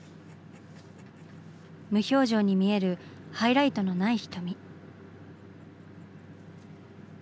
無表情に見えるハイライトのない瞳。